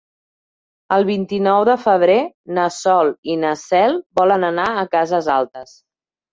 El vint-i-nou de febrer na Sol i na Cel volen anar a Cases Altes.